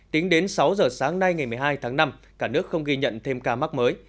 tính đến sáu giờ sáng nay ngày một mươi hai tháng năm cả nước không ghi nhận thêm ca mắc mới